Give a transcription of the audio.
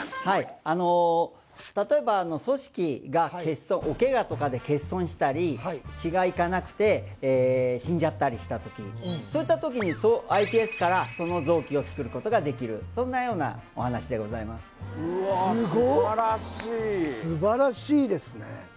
はいあの例えば組織がおケガとかで欠損したり血がいかなくて死んじゃったりした時そういった時にｉＰＳからその臓器を作ることができるそんなようなお話でございますうわ素晴らしいすご素晴らしいですね